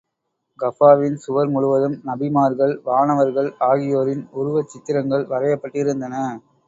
கஃபாவின் சுவர் முழுவதும் நபிமார்கள், வானவர்கள் ஆகியோரின் உருவச் சித்திரங்கள் வரையப்பட்டிருந்தன.